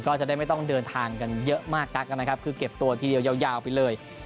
ก็จะได้ไม่ต้องเดินทางกันเยอะมากนักนะครับคือเก็บตัวทีเดียวยาวไปเลย